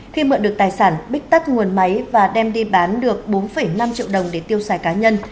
khi mượn được tài sản bích tắt nguồn máy và đem đi bán được bốn năm triệu đồng để tiêu xài cá nhân